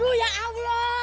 aduh ya allah